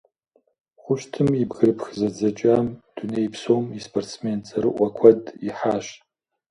Хъущтым и «бгырыпх зэдзэкӏам» дуней псом и спортсмен цӏэрыӏуэ куэд ихьащ.